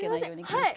はい。